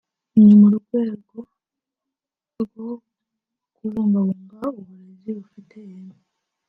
ni mu rwego rwo kubungabunga uburezi bufite ireme